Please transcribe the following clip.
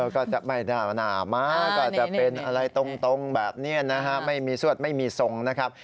ก็จะเป็นอะไรตรงแบบนี้นะครับไม่มีสวดไม่มีทรงนะครับ